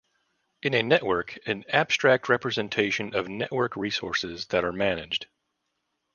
In a network, an abstract representation of network resources that are managed.